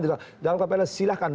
dalam rangka pembelaan silahkan